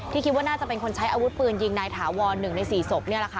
ที่คิดว่าน่าจะเป็นคนใช้อาวุธปืนยิงนายถาวร๑ใน๔ศพ